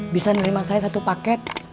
bisa menerima saya satu paket